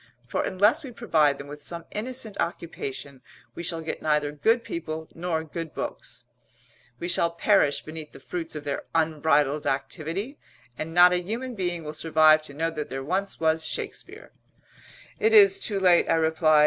For unless we provide them with some innocent occupation we shall get neither good people nor good books; we shall perish beneath the fruits of their unbridled activity; and not a human being will survive to know that there once was Shakespeare!" "It is too late," I replied.